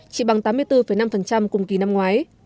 chỉ bằng tám mươi bốn năm cùng kỳ năm ngoái